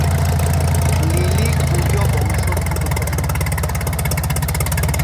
Lily কোরীয় বংশোদ্ভূত।